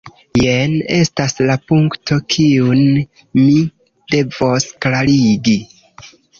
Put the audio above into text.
Jen estas la punkto, kiun mi devos klarigi.